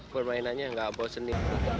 permainannya nggak boseni